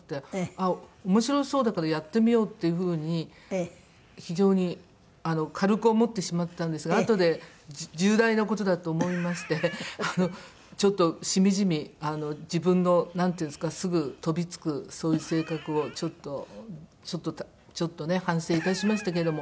あっ面白そうだからやってみようっていう風に非常に軽く思ってしまったんですがあとで重大な事だと思いましてちょっとしみじみ自分のなんていうんですかすぐ飛びつくそういう性格をちょっとちょっとね反省いたしましたけれども。